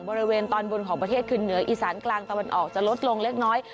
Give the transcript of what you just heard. บริเวณตอนบนของประเทศคือเหนืออีสานกลางตะวันออกจะลดลงเล็กน้อย